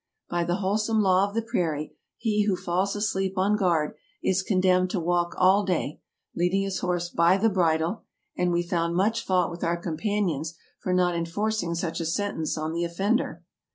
By the wholesome law of the prairie he who falls asleep on guard is condemned to walk all day, leading his horse by the bridle, and we found much fault with our companions for not enforcing such a sentence on the offender.